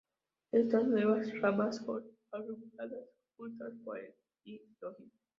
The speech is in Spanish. Estas nuevas ramas son agrupadas juntas por el "y" lógico.